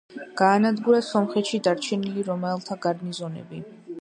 გაანადგურა სომხეთში დარჩენილი რომაელთა გარნიზონები.